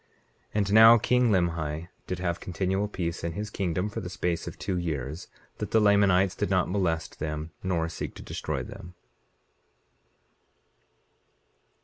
19:29 And now king Limhi did have continual peace in his kingdom for the space of two years, that the Lamanites did not molest them nor seek to destroy them.